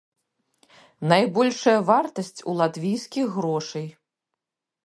Найбольшая вартасць у латвійскіх грошай.